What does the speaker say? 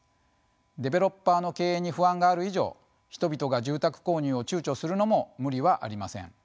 デベロッパーの経営に不安がある以上人々が住宅購入をちゅうちょするのも無理はありません。